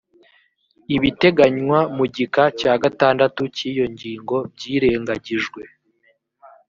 ibiteganywa mu gika cya gatandatu cyiyo ngingo byirengagijwe.